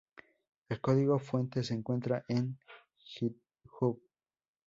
El código fuente se encuentra en Github.